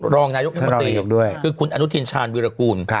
รองนายกรัฐมนตรีคือคุณอนุทินชาญวิรากูล